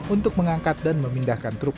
untuk mengangkat dan memindahkan truk